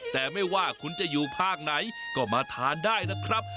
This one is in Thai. แต่ไม่ว่าคุณจะอยู่ภาคไหนก็มาทานได้นะครับ